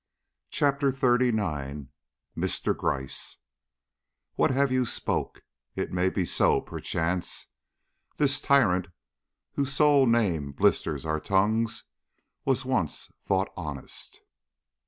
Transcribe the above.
CHAPTER XXXIX. MR. GRYCE. What you have spoke, it may be so, perchance. This tyrant, whose sole name blisters our tongues, Was once thought honest.